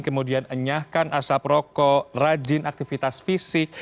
kemudian enyahkan asap rokok rajin aktivitas fisik